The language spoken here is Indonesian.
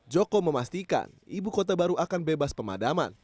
joko memastikan ibu kota baru akan bebas pemadaman